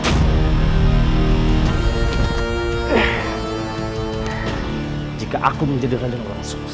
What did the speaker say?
hai jika aku menjadi raden walang susu